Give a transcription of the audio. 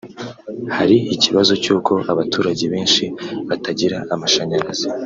hari ikibazo cy’uko abaturage benshi batagira amashanyarazi